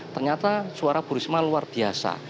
ternyata suara bu risma luar biasa